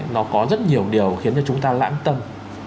nó có rất nhiều điều khiến cho chúng ta lãng tâm